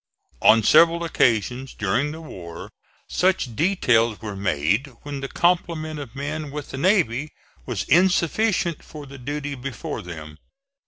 On several occasions during the war such details were made when the complement of men with the navy was insufficient for the duty before them.